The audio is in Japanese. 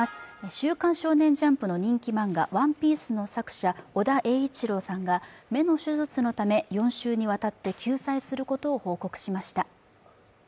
「週刊少年ジャンプ」の人気漫画「ＯＮＥＰＩＥＣＥ」の作者、尾田栄一郎さんが、目の手術のため４週にわたって休載することを報告しました。